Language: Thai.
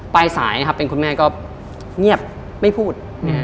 ปลายสายนะครับเป็นคุณแม่ก็เงียบไม่พูด